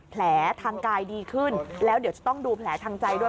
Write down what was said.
ทางกายดีขึ้นแล้วเดี๋ยวจะต้องดูแผลทางใจด้วย